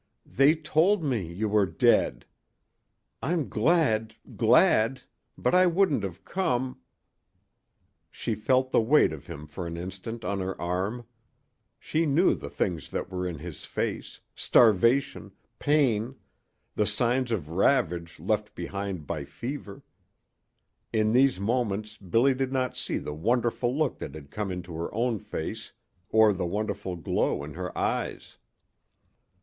"They told me you were dead. I'm glad glad but I wouldn't have come " She felt the weight of him for an instant on her arm. She knew the things that were in his face starvation, pain, the signs of ravage left behind by fever. In these moments Billy did not see the wonderful look that had come into her own face or the wonderful glow in her eyes.